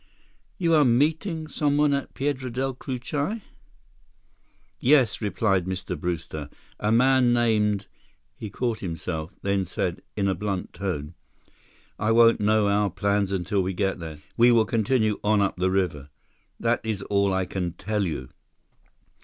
"You are meeting someone at Piedra Del Cucuy?" "Yes," replied Mr. Brewster. "A man named—" He caught himself, then said in a blunt tone: "I won't know our plans until we get there. We will continue on up the river. That is all that I can tell you."